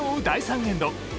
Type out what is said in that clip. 第３エンド。